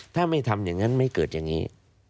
ถ้าไม่ทำอย่างนั้นไม่เกิดอย่างนี้